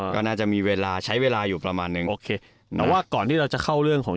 ก็น่าจะมีเวลาใช้เวลาอยู่ประมาณนึงโอเคแต่ว่าก่อนที่เราจะเข้าเรื่องของ